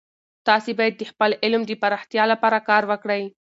تاسې باید د خپل علم د پراختیا لپاره کار وکړئ.